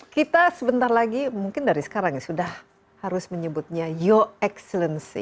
kita sebentar lagi mungkin dari sekarang ya sudah harus menyebutnya yo excellency